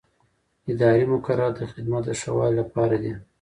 اداري مقررات د خدمت د ښه والي لپاره دي.